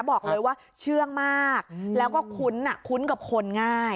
บอกเลยว่าเชื่องมากแล้วก็คุ้นคุ้นกับคนง่าย